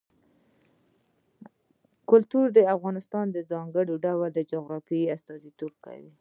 کلتور د افغانستان د ځانګړي ډول جغرافیه استازیتوب کوي.